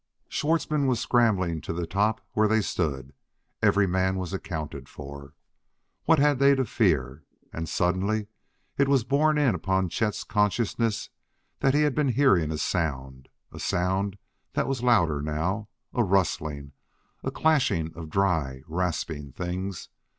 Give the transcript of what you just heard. _" Schwartzmann was scrambling to the top where they stood; every man was accounted for. What had they to fear? And suddenly it was borne in upon Chet's consciousness that he had been hearing a sound a sound that was louder now a rustling! a clashing of dry, rasping things!